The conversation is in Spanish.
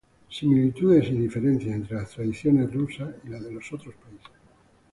Similitudes y diferencias entre las tradiciones rusas y las de los otros países